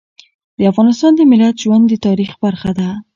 د افغانستان د ملت ژوند د تاریخ برخه ده.